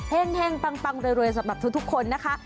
เฮ่งปังเรื่อยสำหรับทุกคนนะคะ